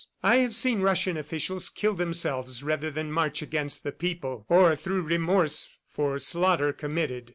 I have seen Russian officials kill themselves rather than march against the people, or through remorse for slaughter committed.